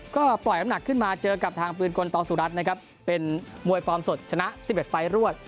ก็ปล่อยน้ำหนักขึ้นมาเจอกับทางปืนกลตองสุรัตน์นะครับเป็นมวยฟอร์มสดชนะ๑๑ไฟล์รวด